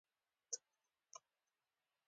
خو هغه د ځوان پروګرامر په اړه فکر کاوه